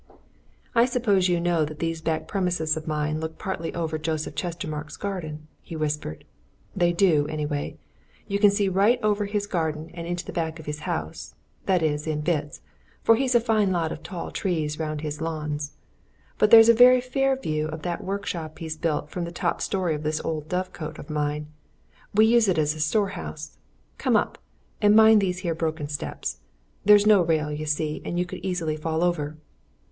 "I suppose you know that these back premises of mine partly overlook Joseph Chestermarke's garden?" he whispered. "They do, anyway you can see right over his garden and the back of his house that is, in bits, for he's a fine lot of tall trees round his lawns. But there's a very fair view of that workshop he's built from the top storey of this old dove cot of mine we use it as a store house. Come up and mind these here broken steps there's no rail, you see, and you could easy fall over."